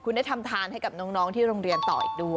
คุณได้ทำทานให้กับน้องที่โรงเรียนต่ออีกด้วย